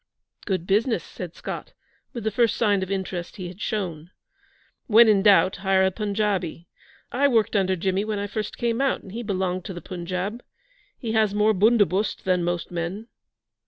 'Good business!' said Scott, with the first sign of interest he had shown. 'When in doubt hire a Punjabi. I worked under Jimmy when I first came out and he belonged to the Punjab. He has more bundobust than most men.'